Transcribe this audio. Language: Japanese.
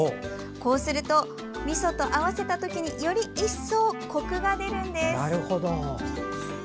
こうすると、みそと合わせた時により一層こくが出るんです。